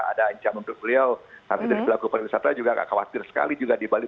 ada ancaman untuk beliau kami dari pelaku pariwisata juga gak khawatir sekali juga di bali